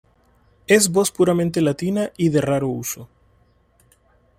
Es voz puramente Latina y de raro uso.